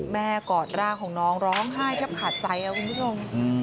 กอดร่างของน้องร้องไห้แทบขาดใจครับคุณผู้ชม